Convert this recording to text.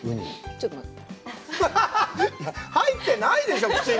ちょっと待って。